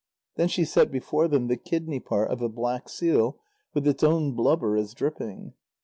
Then she set before them the kidney part of a black seal, with its own blubber as dripping.